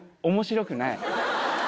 面白くない。